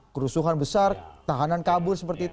kerusuhan besar tahanan kabur seperti itu